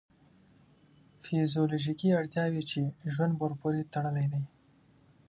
فیزیولوژیکې اړتیاوې چې ژوند ورپورې تړلی دی.